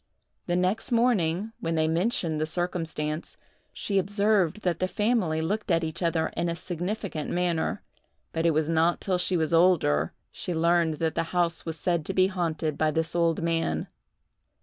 The next morning, when they mentioned the circumstance, she observed that the family looked at each other in a significant manner; but it was not till she was older she learned that the house was said to be haunted by this old man.